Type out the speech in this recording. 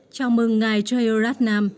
chào mừng ngài jayaratnam